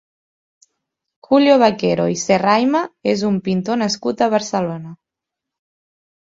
Julio Vaquero i Serraima és un pintor nascut a Barcelona.